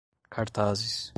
cartazes